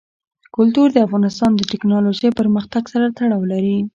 کلتور د افغانستان د تکنالوژۍ پرمختګ سره تړاو لري.